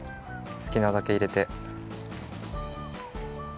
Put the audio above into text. すきなだけいれて。